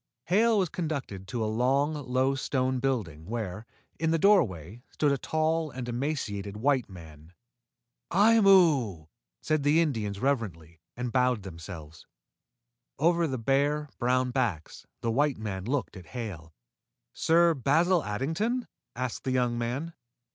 Hale was conducted to a long, low stone building, where, in the doorway, stood a tall and emaciated white man. "Aimu!" said the Indians reverently, and bowed themselves. Over the bare, brown backs, the white man looked at Hale. "Sir Basil Addington?" asked the young man.